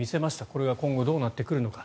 これが今後どうなっていくのか。